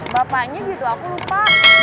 bapaknya gitu aku lupa